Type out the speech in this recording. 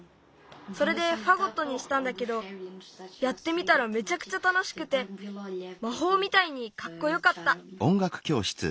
それでファゴットにしたんだけどやってみたらめちゃくちゃたのしくてまほうみたいにかっこよかった。